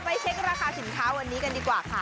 เช็คราคาสินค้าวันนี้กันดีกว่าค่ะ